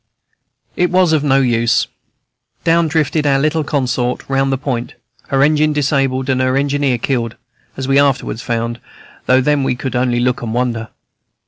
It was of no use. Down drifted out little consort round the point, her engine disabled and her engineer killed, as we afterwards found, though then we could only look and wonder.